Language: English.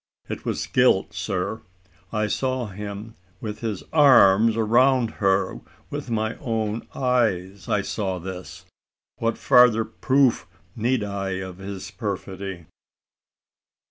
It was guilt, sir. I saw him with his arms around her with my own eyes I saw this. What farther proof needed I of his perfidy?"